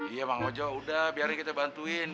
iya bang ojo udah biarin kita bantuin